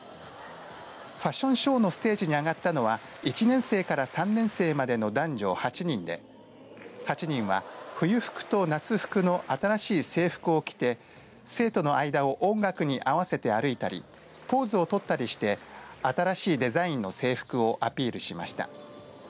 ファッションショーのステージに上がったのは１年生から３年生までの男女８人で８人は冬服と夏服の新しい制服を着て生徒の間を音楽に合わせて歩いたりポーズを取ったりして新しいデザインの制服をアピールしました。